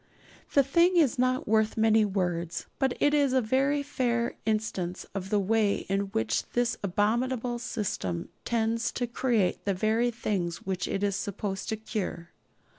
The thing is not worth many words, but it is a very fair instance of the way in which this abominable system tends to create the very things which it is supposed to cure.